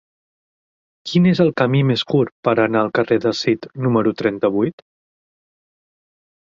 Quin és el camí més curt per anar al carrer del Cid número trenta-vuit?